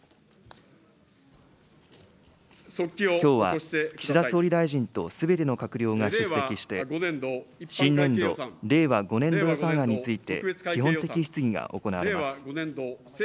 きょうは、岸田総理大臣とすべての閣僚が出席して、新年度・令和５年度予算案について、基本的質疑が行われます。